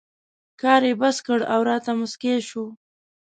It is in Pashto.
کار یې بس کړ او راته مسکی شو.